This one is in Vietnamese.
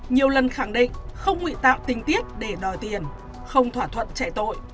nhiều lần khẳng định không nguyện tạo tình tiết để đòi tiền không thỏa thuận trại tội